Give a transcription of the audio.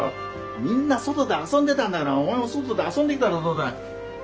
みんな外で遊んでたんだからお前も外で遊んできたらどうだ？